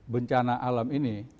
bencana alam ini